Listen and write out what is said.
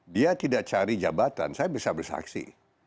dia tidak cari jabatan saya bisa bersaksi